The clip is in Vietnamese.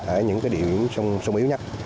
ở những địa điểm sông yếu nhất